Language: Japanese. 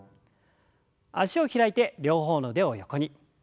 脚を開いて両方の腕を横に。